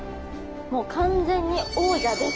もう完全に王者です！